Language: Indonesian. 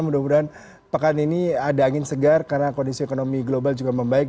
mudah mudahan pekan ini ada angin segar karena kondisi ekonomi global juga membaik